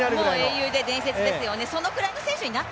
英雄で伝説ですよね。